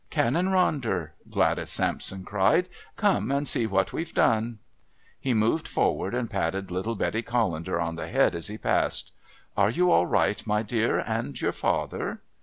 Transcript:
"Canon Ronder," Gladys Sampson cried, "come and see what we've done." He moved forward and patted little Betty Callender on the head as he passed. "Are you all right, my dear, and your father?"